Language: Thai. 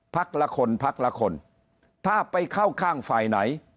ละคนพักละคนถ้าไปเข้าข้างฝ่ายไหน